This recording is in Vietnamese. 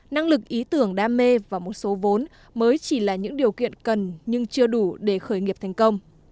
năng lực ý tưởng đam mê và một số vốn mới chỉ là những điều kiện cần nhưng chưa đủ để khởi nghiệp thành công